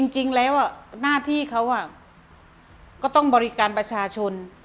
จริงแล้วหน้าที่เขาก็ต้องบริการประชาชน